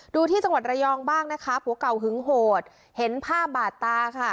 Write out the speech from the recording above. ดูที่จังหวัดระยองบ้างนะคะผัวเก่าหึงโหดเห็นภาพบาดตาค่ะ